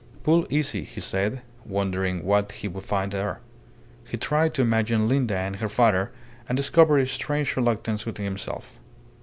"Pull easy," he said, wondering what he would find there. He tried to imagine Linda and her father, and discovered a strange reluctance within himself.